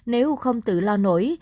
nếu không tự lo nổi